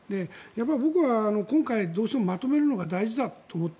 僕は今回、どうしてもまとめるのが大事だと思って。